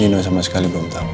nino sama sekali belum tahu